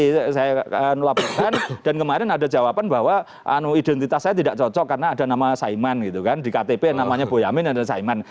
tadi saya melaporkan dan kemarin ada jawaban bahwa identitas saya tidak cocok karena ada nama saiman gitu kan di ktp namanya boyamin adalah saiman